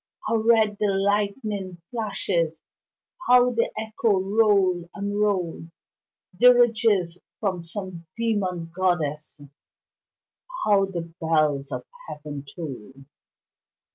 how red the lightning flashes! How the echoes roll and roll Dirges from some demon goddess How the bells of heaven toll!